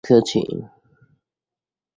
খুবই দুঃখে আছি!